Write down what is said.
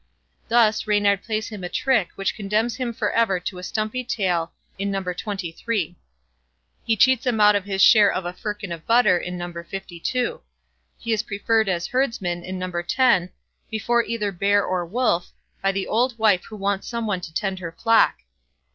Thus Reynard plays him a trick which condemns him for ever to a stumpy tail in No. xxiii. He cheats him out of his share of a firkin of butter in No. lvii. He is preferred as Herdsman, in No. x, before either Bear or Wolf, by the old wife who wants some one to tend her flock.